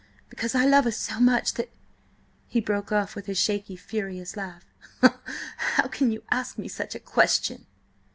Because I love her so much that—" He broke off with a shaky, furious laugh. "How can you ask me such a question?